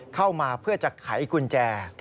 เข้ามาเพื่อจะไขกุญแจ